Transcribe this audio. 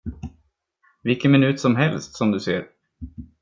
Vilken minut som helst, som du ser.